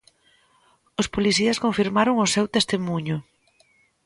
Os policías confirmaron o seu testemuño.